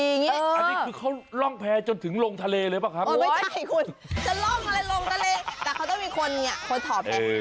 อันนี้เขาล่องแพร่จนถึงลงทะเลเลยบ้างครับ